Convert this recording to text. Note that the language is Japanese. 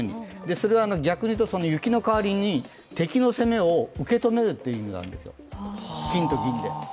それは逆に言うと雪の代わりに敵の攻めを受け止めるという意味があるんですよ、金と銀で。